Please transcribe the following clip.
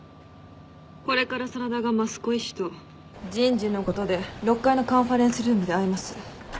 これから真田が益子医師と人事のことで６階のカンファレンスルームで会います。